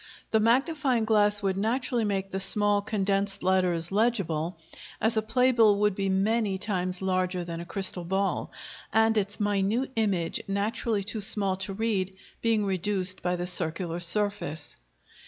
The magnifying glass would naturally make the small, condensed letters legible, as a play bill would be many times larger than a crystal ball, and its minute image naturally too small to read, being reduced by the circular surface.